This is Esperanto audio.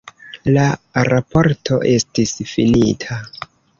La raporto estis finita.